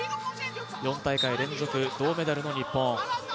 ４大会連続銅メダルの日本。